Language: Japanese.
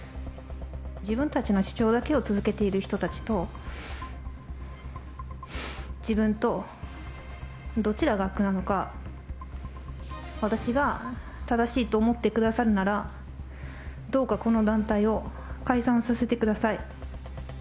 自分たちの主張だけを続けている人たちと自分とどちらが悪なのか、私が正しいと思ってくださるなら、どうかこの団体を解散させてください。